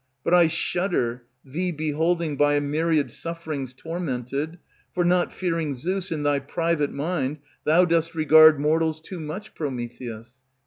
But I shudder, thee beholding By a myriad sufferings tormented.... For, not fearing Zeus, In thy private mind thou dost regard Mortals too much, Prometheus.